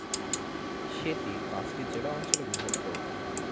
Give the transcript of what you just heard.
সেতী পাঁচটি জেলা অঞ্চলে বিভক্ত।